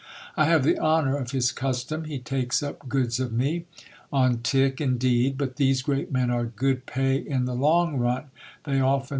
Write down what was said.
I have the honour of his custom. He takes up goods of me : on tick, indeed, but these great men are good pay in the long run, they oftei.